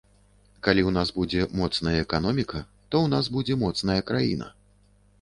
Калі ў нас будзе моцная эканоміка, то ў нас будзе моцная краіна.